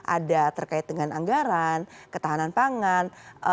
ada terkait dengan anggaran ketahanan pangan